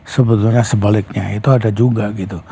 sebetulnya sebaliknya itu ada juga gitu